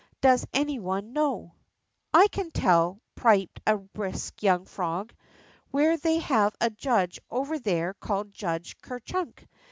Does any one know ?'' I can tell,'' piped a brisk yomlg frog, where they have a judge over there called Judge Ker Chunk.